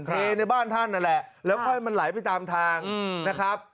เทในบ้านท่านนั่นแหละแล้วค่อยมันไหลไปตามทางนะครับ